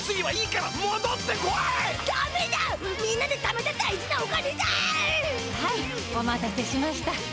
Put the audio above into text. はいお待たせしました。